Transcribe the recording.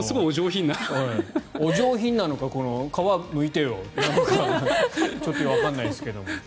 お上品なのか皮、むいてよなのかちょっとわからないですが。